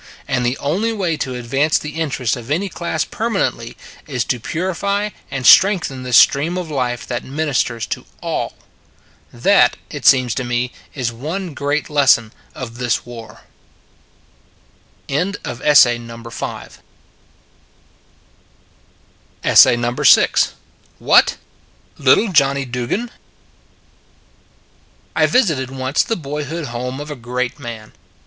And the only way to advance the interests of any class permanently is to purify and strengthen the stream of life that ministers to all. That, it seems to me, is one great lesson of this war. "WHAT! LITTLE JOHNNY DUGAN?" I VISITED once the boyhood home of a great man.